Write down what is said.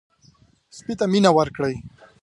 سپي ته مینه ورکړئ.